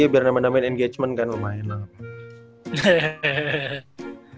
biar nama nama yang engagement kan lumayan lah